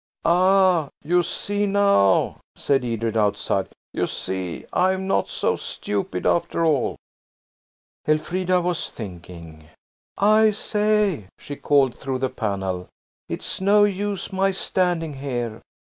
"Aha! you see now," said Edred outside. "You see I'm not so stupid after all." Elfrida was thinking. "I say," she called through the panel, "it's no use my standing here.